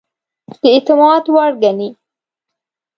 د اعتماد وړ ګڼي.